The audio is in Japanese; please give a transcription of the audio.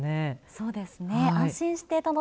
そうですよね。